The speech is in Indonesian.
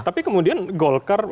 tapi kemudian golkar